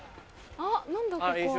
あっ何だここは？